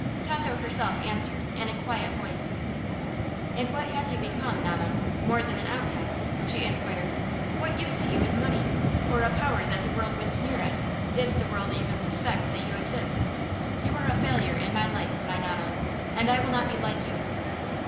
Tato herself answered, in a quiet voice. "And what have you become, nonna, more than an outcast?" she enquired. "What use to you is money, or a power that the world would sneer at, did the world even suspect that you exist? You are a failure in life, my nonna, and I will not be like you."